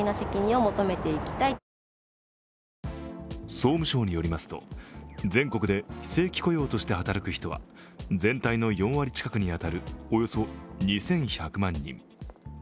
総務省によりますと、全国で非正規雇用として働く人は全体の４割近くに当たるおよそ２１００万人。